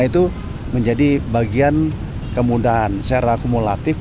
itu menjadi bagian kemudahan secara kumulatif